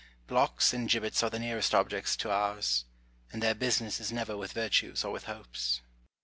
Blocks and gibbets are the nearest objects to ours, and their business is never with virtues or with hopes.